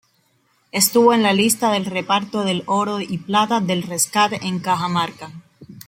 Estuvo en la lista del reparto del oro y plata del rescate en Cajamarca.